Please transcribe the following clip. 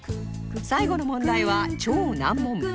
最後の問題は超難問